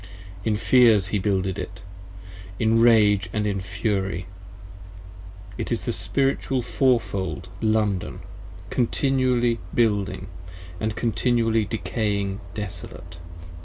In fears He builded it, in rage & in fury. It is the Spiritual Fourfold London: continually building & continually decaying desolate!